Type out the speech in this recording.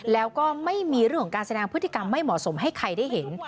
แล้วก็ไม่มีเรื่องของการแสดงพฤติกรรมไม่เหมาะสมให้ใครได้เห็น